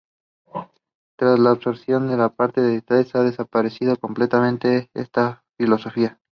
Tras la absorción por parte de CaixaBank, ha desaparecido completamente esta filosofía.